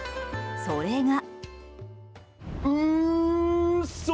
それが。